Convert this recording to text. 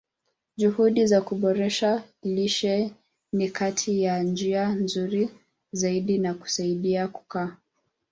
Juhudi za kuboresha lishe ni kati ya njia nzuri zaidi za kusaidia kukua.